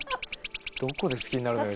どこで好きになるのよ。